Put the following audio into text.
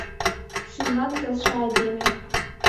Шӱмлан келша айдеме —